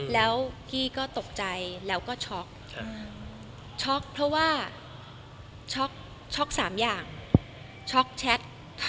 แล้วพี่ก็ตกใจแล้วก็ช็อกช็อกเพราะว่าช็อก๓อย่างช็อกแชท